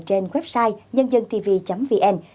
trên website nhândântv vn